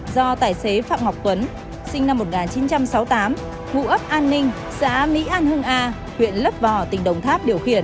do tài xế phạm ngọc tuấn sinh năm một nghìn chín trăm sáu mươi tám vụ ấp an ninh xã mỹ an hưng a huyện lấp vò tỉnh đồng tháp điều khiển